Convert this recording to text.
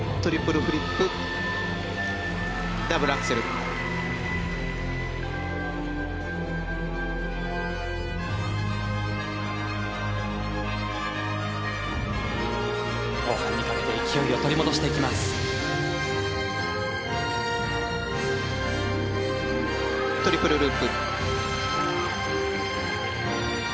トリプルループ。